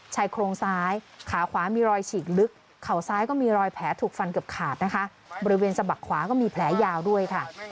ชายโครงซ้ายขาขวามีรอยฉีกลึกเข่าซ้ายก็มีรอยแผลถูกฟันเกือบขาดนะคะบริเวณสะบักขวาก็มีแผลยาวด้วยค่ะ